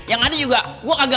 yang tadi juga